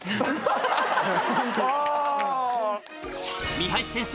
三橋先生